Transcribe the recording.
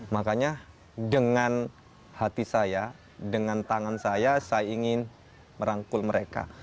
makanya dengan hati saya dengan tangan saya saya ingin merangkul mereka